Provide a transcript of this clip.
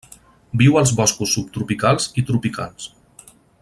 Viu als boscos subtropicals i tropicals.